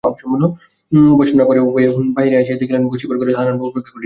উপাসনার পরে উভয়ে বাহিরে আসিয়া দেখিলেন বসিবার ঘরে হারানবাবু অপেক্ষা করিয়া আছেন।